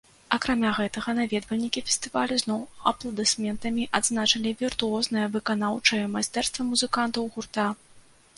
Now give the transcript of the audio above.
Акрамя гэтага, наведвальнікі фестывалю зноў апладысментамі адзначылі віртуознае выканаўчае майстэрства музыкантаў гурта.